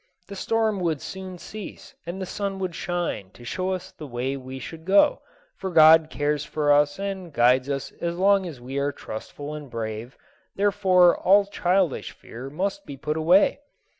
The storm would soon cease and the sun would shine to show us the way we should go, for God cares for us and guides us as long as we are trustful and brave, therefore all childish fear must be put away.